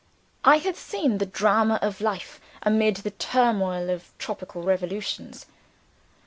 I had seen the Drama of Life amid the turmoil of tropical revolutions.